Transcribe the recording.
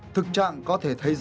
thực trạng có thể thấy rõ